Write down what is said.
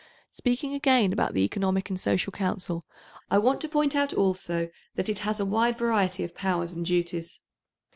Speaking again about the Economic and Social Council, I want to point out also that it has a wide variety of powers and duties.